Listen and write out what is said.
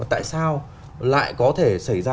tại sao lại có thể xảy ra